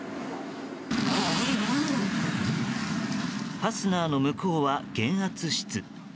ファスナーの向こうは減圧室。